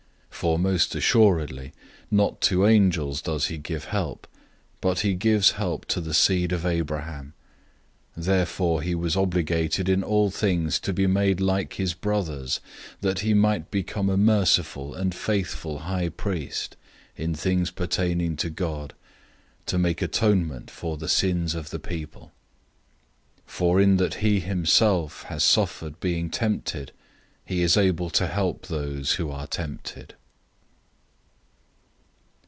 002:016 For most certainly, he doesn't give help to angels, but he gives help to the seed of Abraham. 002:017 Therefore he was obligated in all things to be made like his brothers, that he might become a merciful and faithful high priest in things pertaining to God, to make atonement for the sins of the people. 002:018 For in that he himself has suffered being tempted, he is able to help those who are tempted.